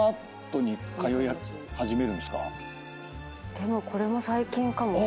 でもこれも最近かも。